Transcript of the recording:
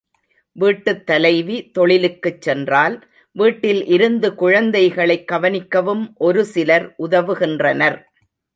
வீட்டுத் தலைவி தொழிலுக்குச் சென்றால் வீட்டில் இருந்து குழந்தைகளைக் கவனிக்கவும் ஒரு சிலர் உதவுகின்றனர்.